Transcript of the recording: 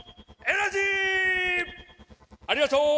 ありがと！